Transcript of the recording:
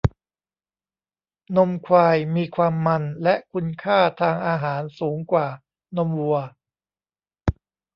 นมควายมีความมันและคุณค่าทางอาหารสูงกว่านมวัว